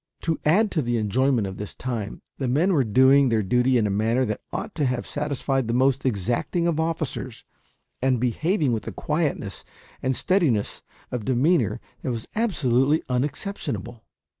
To add to the enjoyment of this time, the men were doing their duty in a manner that ought to have satisfied the most exacting of officers, and behaving with a quietness and steadiness of demeanour that was absolutely unexceptionable.